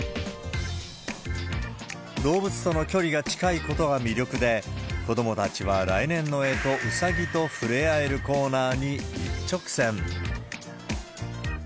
動物との距離が近いことが魅力で、子どもたちは来年の干支、ウサギと触れ合えるコーナーに一直線。